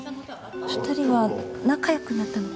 ２人は仲良くなったのかな？